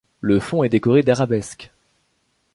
Le fond est décoré d'arabesques.